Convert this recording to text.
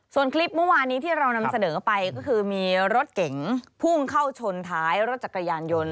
ส่วนคลิปเมื่อวานี้ที่เรานำเสนอไปก็คือมีรถเก๋งพุ่งเข้าชนท้ายรถจักรยานยนต์